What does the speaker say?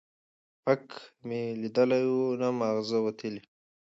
ـ پک مې ليدلى وو، نه معاغزه وتلى.